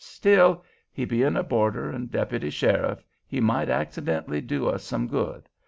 Still, he bein' a boarder and deputy sheriff, he might accidentally do us some good.